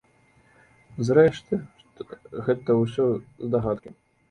Зрэшты, гэта ўсё здагадкі.